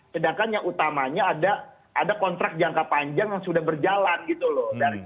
sedangkan yang utamanya ada kontrak jangka panjang yang sudah berjalan gitu loh dari iup iup dan tkp dua b